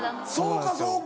そうかそうか。